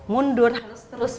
mundur harus terus